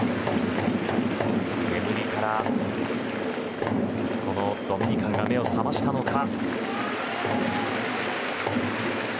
眠りからこのドミニカンが目を覚ましたのか。